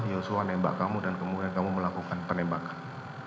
yesua menembak kamu dan kemudian kamu melakukan penembakan